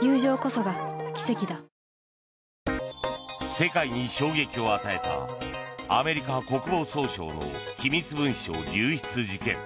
世界に衝撃を与えたアメリカ国防総省の機密文書流出事件。